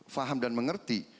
faham dan mengerti